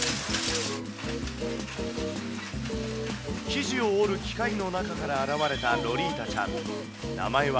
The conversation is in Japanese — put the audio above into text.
生地を織る機械の中から現れたロリータちゃん。